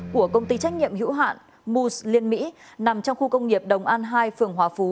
của công ty trách nhiệm hữu hạn moose liên mỹ nằm trong khu công nghiệp đồng an hai phường hòa phú